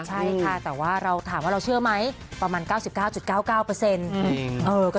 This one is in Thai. ใช่ค่ะเราถามว่าเราเชื่อไหมประมาณ๙๙๙๙เปรสเซนละคร